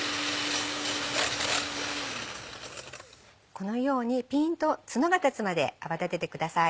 このようにピンとツノが立つまで泡立ててください。